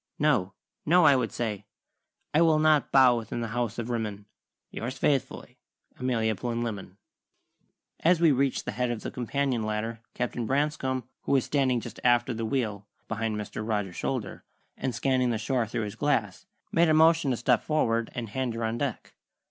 'No, no,' I would say, "'I will not bow within the House of Rimmon: Yours faithfully, Amelia Plinlimmon.'" As we reached the head of the companion ladder Captain Branscome, who was standing just aft of the wheel, behind Mr. Rogers's shoulder, and scanning the shore through his glass, made a motion to step forward and hand her on deck.